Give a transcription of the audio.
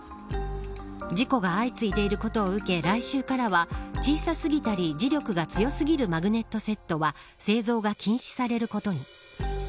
事故が相次いでいることを受け来週からは、小さ過ぎたり磁力が強過ぎるマグネットセットは製造が禁止されることに。